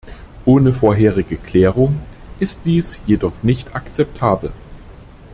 Ohne vorherige Klärung ist dies jedoch nicht akzeptabel.